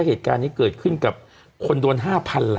เหตุการณ์นี้เกิดขึ้นกับคนโดน๕๐๐๐ล้าน